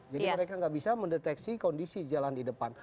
jadi mereka tidak bisa mendeteksi kondisi jalan di depan